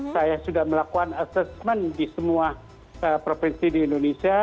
saya sudah melakukan assessment di semua provinsi di indonesia